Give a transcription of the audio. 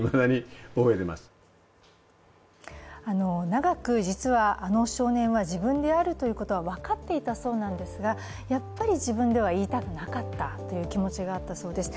長く、実はあの少年は自分であるということは分かっていたそうなんですがやっぱり自分では言いたくなかったという気持ちがあったそうです。